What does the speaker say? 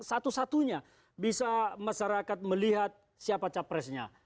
satu satunya bisa masyarakat melihat siapa capresnya